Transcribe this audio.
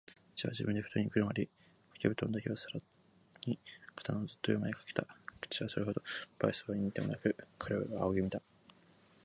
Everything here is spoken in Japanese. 父は自分でふとんにくるまり、かけぶとんだけをさらに肩のずっと上までかけた。父はそれほど無愛想そうにでもなく、彼を仰ぎ見た。